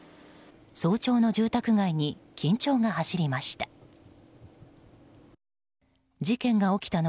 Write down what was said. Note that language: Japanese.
早朝の住宅街に緊張が走りました。